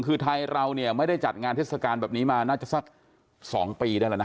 คือไทยเราเนี่ยไม่ได้จัดงานเทศกาลแบบนี้มาน่าจะสัก๒ปีได้แล้วนะ